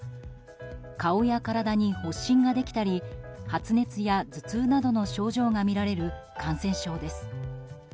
顔や体に発疹ができたり発熱や頭痛などの症状が見られる感染症です。